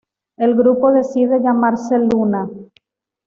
El grupo decide llamarse Luna.